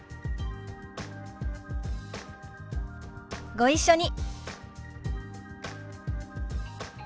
ご一緒に。